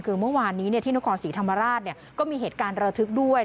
คือเมื่อวานนี้ที่นครศรีธรรมราชก็มีเหตุการณ์ระทึกด้วย